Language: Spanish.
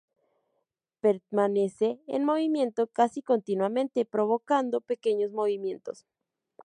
Permanece en movimiento casi continuamente, provocando pequeños movimientos.